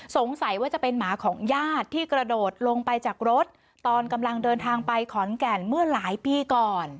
สงสัยว่าจะเป็นหมาของญาติที่กระโดดลงไปจากรถตอนกำลังเดินทางไปขอนแก่นเมื่อหลายปีก่อน